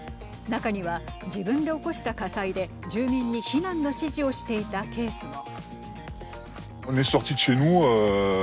中には、自分で起こした火災で住民に避難の指示をしていたケースも。